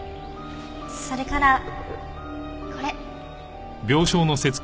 それからこれ。